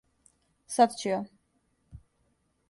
Сад ћу ја.